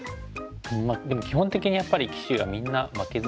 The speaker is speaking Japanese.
まあでも基本的にやっぱり棋士はみんな負けず嫌いですよね。